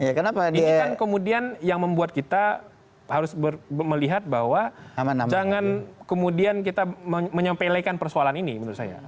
ini kan kemudian yang membuat kita harus melihat bahwa jangan kemudian kita menyempelekan persoalan ini menurut saya